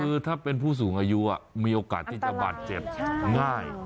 คือถ้าเป็นผู้สูงอายุมีโอกาสที่จะบาดเจ็บง่าย